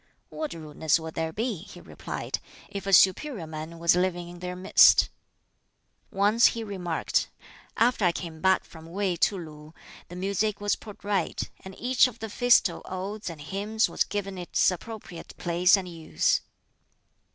"What rudeness would there be," he replied, "if a 'superior man' was living in their midst?" Once he remarked, "After I came back from Wei to Lu the music was put right, and each of the Festal Odes and Hymns was given its appropriate place and use."